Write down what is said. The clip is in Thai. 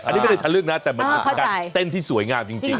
อันนี้ก็ได้ทันเรื่องนะแต่มันเป็นการเต้นที่สวยงามจริงจริง